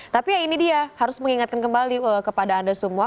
tapi ya ini dia harus mengingatkan kembali kepada anda semua